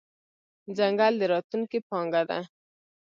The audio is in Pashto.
ځنګل د راتلونکې پانګه ده.